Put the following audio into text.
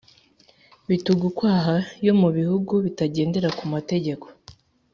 bitugukwaha yo mu bihugu bitagendera ku mategeko.